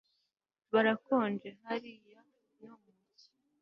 Birakonje hariya no mu cyi